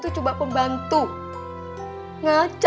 tetap gak pantas